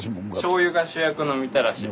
しょうゆが主役のみたらしです。